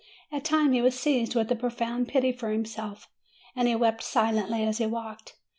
At times he was seized with a profound pity for himself, and he wept silently as he walked.